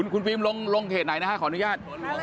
คุณพีมลงเขตไหนครับขออนุญาต